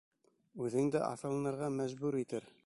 Үҙеңде аҫылынырға мәжбүр итер!